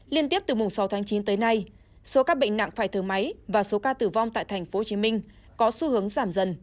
liên tiếp từ mùng sáu tháng chín tới nay số các bệnh nặng phải thở máy và số ca tử vong tại tp hcm có xu hướng giảm dần